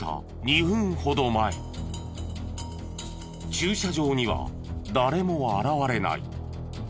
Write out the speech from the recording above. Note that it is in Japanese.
駐車場には誰も現れない。